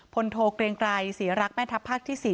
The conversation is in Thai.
โทเกรงไกรศรีรักแม่ทัพภาคที่๔